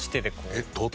えっ！